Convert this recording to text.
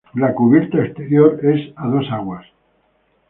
La cubierta al exterior es a dos aguas.